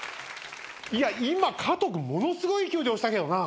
いや今加藤君ものすごい勢いで押したけどな。